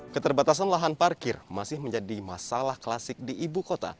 keterbatasan lahan parkir masih menjadi masalah klasik di ibu kota